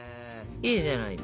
いいじゃないですか。